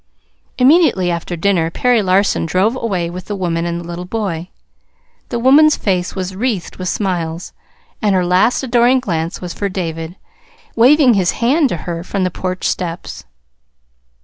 Immediately after dinner Perry Larson drove away with the woman and the little boy. The woman's face was wreathed with smiles, and her last adoring glance was for David, waving his hand to her from the porch steps.